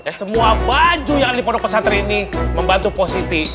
dan semua baju yang ada di pondok pesantren ini membantu positi